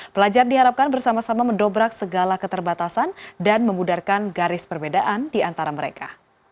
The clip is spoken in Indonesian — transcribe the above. pelajar diharapkan bersama sama mendobrak segala keterbatasan dan memudarkan garis perbedaan di antara mereka